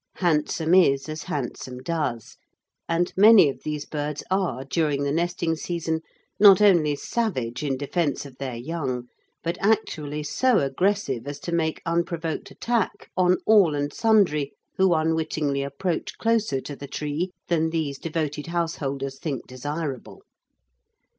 Handsome is as handsome does, and many of these birds are, during the nesting season, not only savage in defence of their young, but actually so aggressive as to make unprovoked attack on all and sundry who unwittingly approach closer to the tree than these devoted householders think desirable.